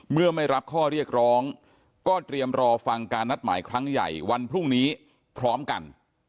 เมื่อไม่รับข้อเรียกร้องก็เตรียมรอฟังการนัดหมายครั้งใหญ่วันพรุ่งนี้พร้อมกัน